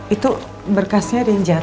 itu berkasnya ada yang jatuh